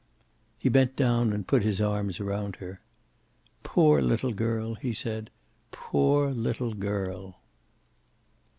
He bent down and put his arms around her. "Poor little girl!" he said. "Poor little girl!"